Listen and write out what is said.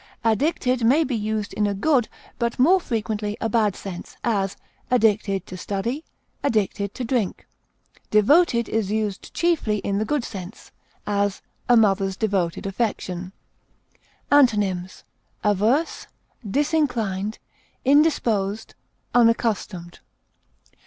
Addicted may be used in a good, but more frequently a bad sense; as, addicted to study; addicted to drink. Devoted is used chiefly in the good sense; as, a mother's devoted affection. Antonyms: averse, disinclined, indisposed, unaccustomed.